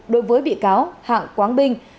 đối với bị cáo hãng quáng binh